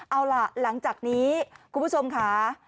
เอาล่ะหลังจากนี้คุณผู้ชมค่ะ